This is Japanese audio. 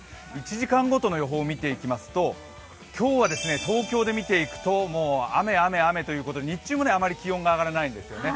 １時間ごとの予報を見ていきますと、東京を見ますともう雨、雨、雨ということで日中もあまり気温が上がらないんですよね。